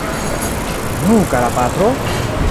Nu, kara patro?